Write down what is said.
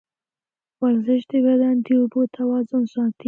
ورزش د بدن د اوبو توازن ساتي.